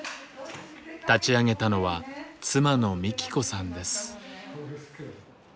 立ち上げたのは妻のみき子さんです。